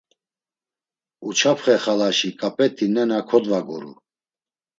Uçapxe xalaşi ǩap̌et̆i nena kodvaguru: